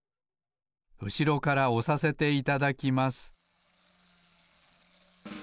うしろからおさせていただきます